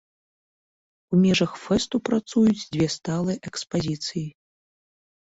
У межах фэсту працуюць дзве сталыя экспазіцыі.